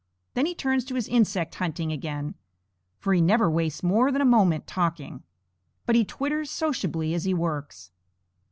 Then he turns to his insect hunting again, for he never wastes more than a moment talking. But he twitters sociably as he works.